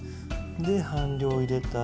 で半量入れたら。